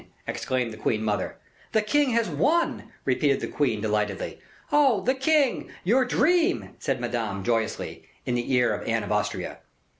exclaimed the queen mother. "The king has won," repeated the queen, delightedly. "Oh! the king! your dream!" said Madame, joyously, in the ear of Anne of Austria.